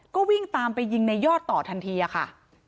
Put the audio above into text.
ก็วิ่งตามไปยิงในยอดต่อทันทีค่ะ